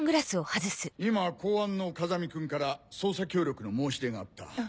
今公安の風見君から捜査協力の申し出があった。